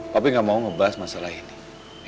papi gak mau ngebahas masalah ini